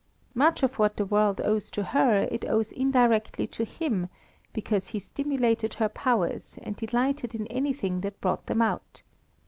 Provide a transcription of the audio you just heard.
Much of what the world owes to her it owes indirectly to him, because he stimulated her powers, and delighted in anything that brought them out.